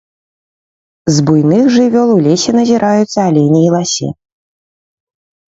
З буйных жывёл у лесе назіраюцца алені і ласі.